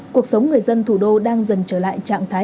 cuộc sống người dân thủ đô đang dần trở lại trạng thái bình thường